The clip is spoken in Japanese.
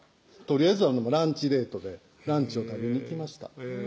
とりあえずはランチデートでランチを食べに行きました